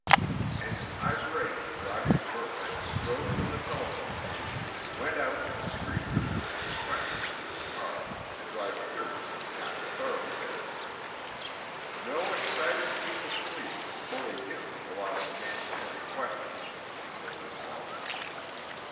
And an irate Roger Verbeck strode from the telephone booth, went out to the street, and sprang into his car to drive furiously down the thoroughfare. No excited chief of police could bully him with a lot of mandatory questions, he told himself.